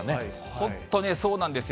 本当にそうなんですよ。